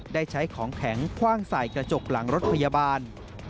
ได้ใช้ของแข็งคว่างใส่กระจกหลังรถพยาบาล